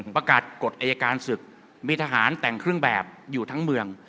ประกาศกฎอายการศึกมีทหารแต่งเครื่องแบบอยู่ทั้งเมือง